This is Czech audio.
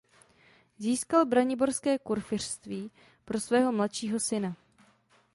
Získal braniborské kurfiřtství pro svého mladšího syna.